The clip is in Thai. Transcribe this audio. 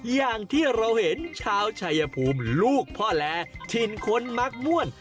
อย่างที่เราเห็นชาวชายภูมิลูกพ่อแร้ถิ่นคนมักม่วน